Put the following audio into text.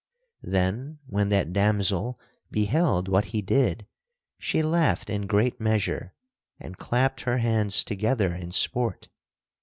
Then when that damosel beheld what he did she laughed in great measure and clapped her hands together in sport.